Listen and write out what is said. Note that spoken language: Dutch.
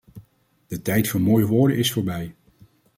De tijd voor mooie woorden is voorbij.